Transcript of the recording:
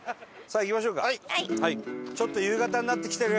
ちょっと夕方になってきてる。